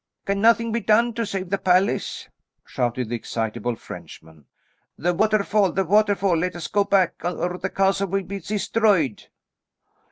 "Can nothing be done to save the palace?" shouted the excitable Frenchman. "The waterfall; the waterfall! Let us go back, or the castle will be destroyed."